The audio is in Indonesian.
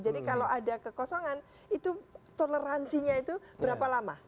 jadi kalau ada kekosongan itu toleransinya itu berapa lama